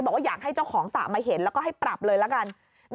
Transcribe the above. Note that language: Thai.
บอกว่าอยากให้เจ้าของสระมาเห็นแล้วก็ให้ปรับเลยละกัน